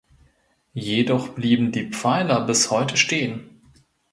Jedoch blieben die Pfeiler bis heute stehen.